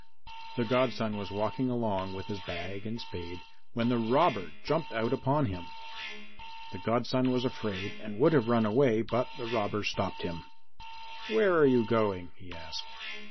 The godson was walking along with his bag and spade when the robber jumped out upon him. The godson was afraid and would have run away, but the robber stopped him. "Where are you going?" he asked.